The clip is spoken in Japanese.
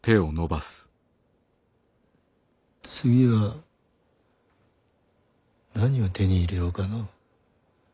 次は何を手に入れようかのう。